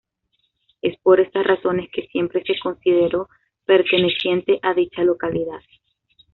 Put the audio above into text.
Es por estas razones que siempre se consideró perteneciente a dicha localidad.